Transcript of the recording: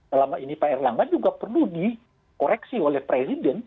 selama ini pak erlangga juga perlu dikoreksi oleh presiden